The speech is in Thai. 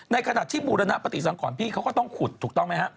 ในขณะที่บูรณปฏิสังขรพี่เขาก็ต้องขุดถูกต้องไหมฮะ